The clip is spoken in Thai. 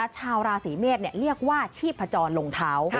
ชาวราศีเมษเรียกว่าชีพจรลงเท้า